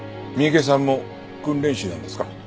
三池さんも訓練士なんですか？